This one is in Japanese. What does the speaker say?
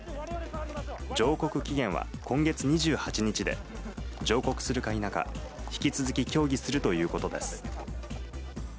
上告期限は今月２８日で、上告するか否か、引き続き協議するということです。